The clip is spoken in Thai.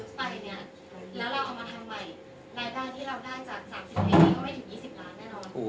คุณพูดไว้แล้วต้นใช่ไหมคะ